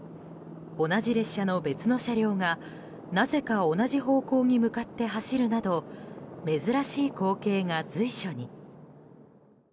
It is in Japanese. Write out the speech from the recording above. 同じ列車の別の車両がなぜか同じ方向に向かって走るなど珍しい光景が随所に。